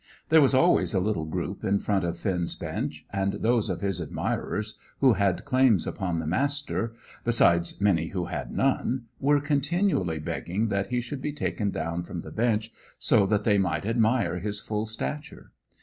There was always a little group in front of Finn's bench, and those of his admirers who had claims upon the Master besides many who had none were continually begging that he should be taken down from the bench, so that they might admire his full stature.